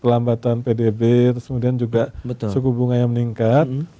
pelambatan pdb terus kemudian juga suku bunga yang meningkat